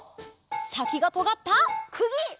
さきがとがったくぎ！